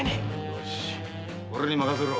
よし俺にまかせろ。